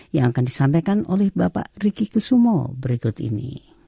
yang akan disampaikan oleh bapak riki kusumo berikut ini